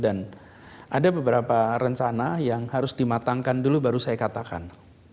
dan ada beberapa rencana yang harus dimatangkan dulu baru saya katakan